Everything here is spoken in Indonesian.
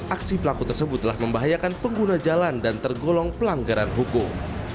aksi pelaku tersebut telah membahayakan pengguna jalan dan tergolong pelanggaran hukum